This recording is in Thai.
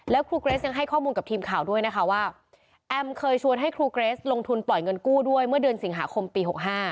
แล้วครูเกรสยังให้ข้อมูลกับทีมข่าวด้วยนะคะว่าแอมเคยชวนให้ครูเกรสลงทุนปล่อยเงินกู้ด้วยเมื่อเดือนสิงหาคมปี๖๕